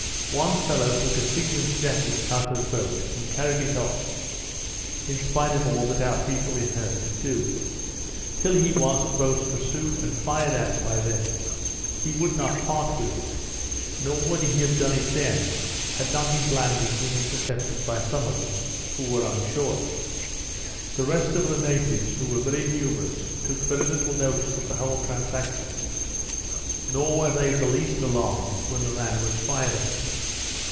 One fellow took a seaman's jacket out of the boat, and carried it off, in spite of all that our people in her could do. Till he was both pursued and fired at by them, he would not part with it; nor would he have done it then, had not his landing been intercepted by some of us who were on shore. The rest of the natives, who were very numerous, took very little notice of the whole transaction; nor were they the least alarmed when the man was fired at.